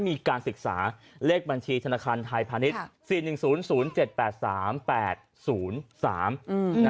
มีการศึกษาเลขบัญชีธนาคารไทยพาณิชย์๔๑๐๗๘๓๘๐๓